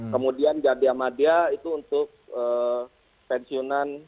kemudian jadah madia itu untuk pensiunan